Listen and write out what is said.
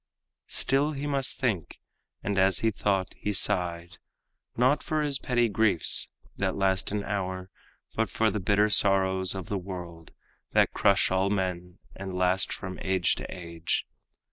Still he must think, and as he thought he sighed, Not for his petty griefs that last an hour, But for the bitter sorrows of the world That crush all men, and last from age to age.